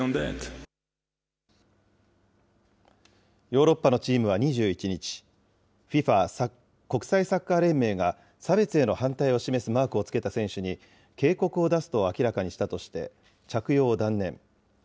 ヨーロッパのチームは２１日、ＦＩＦＡ・国際サッカー連盟が、差別への反対を示すマークをつけた選手に警告を出すと明らかにしたとして、着用を断念。